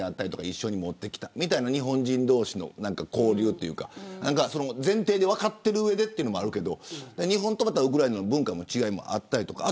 一緒に持ってきたみたいな日本人同士の交流っていうか前提で分かっている上でというのもあるけど日本とウクライナの文化の違いもあったりとか。